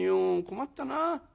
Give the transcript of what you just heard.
困ったな」。